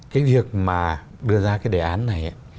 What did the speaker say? cái việc mà đưa ra cái đề án này